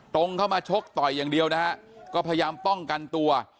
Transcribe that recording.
ตรงเข้ามาชกต่อยอย่างเดียวนะฮะก็พยายามป้องกันตัว